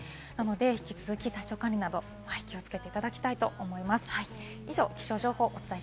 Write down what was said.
引き続き体調管理など気をつけていただきたいと思います。